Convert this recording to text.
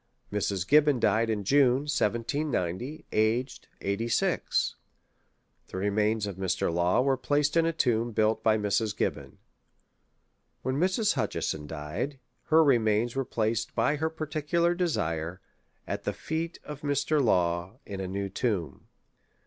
Mrs. Gibbon died in June, 1790, aged 86. The remains of Mr. Law were placed in a tomb built by Mrs. Gibbon. When Mrs. Hutcheson died, her remains were placed, by her particular desire, at the feet of Mr. Law, in a new tomb.